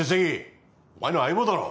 お前の相棒だろ。